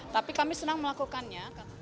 tapi kami senang melakukannya